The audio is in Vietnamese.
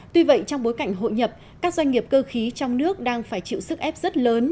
tuy vậy trong bối cảnh hội nhập các doanh nghiệp cơ khí trong nước đang phải chịu sức ép rất lớn